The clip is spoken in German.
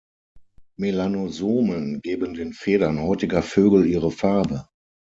Melanosomen geben den Federn heutiger Vögel ihre Farbe.